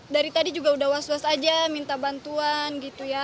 dari tadi juga udah was was aja minta bantuan gitu ya